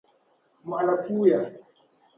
Mɔɣili puuya.